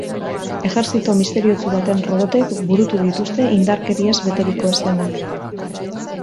Ejerzito misteriotsu baten robotek burutu dituzte indarkeriaz beteriko eszenak.